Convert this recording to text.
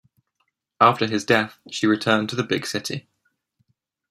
After his death, she returned to the big city.